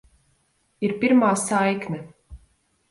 Ir pirmā saikne.